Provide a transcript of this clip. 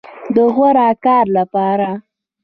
د غوره کار لپاره